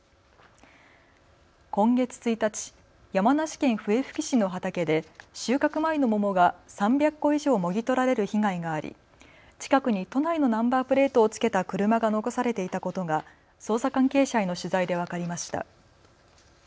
今月１日、山梨県笛吹市の畑で収穫前の桃が３００個以上もぎ取られる被害があり近くに都内のナンバープレートを付けた車が残されていたことが捜査関係者への取材で分かりました。